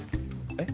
えっ？